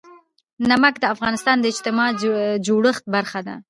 نمک د افغانستان د اجتماعي جوړښت برخه ده.